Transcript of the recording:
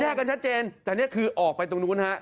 กันชัดเจนแต่นี่คือออกไปตรงนู้นฮะ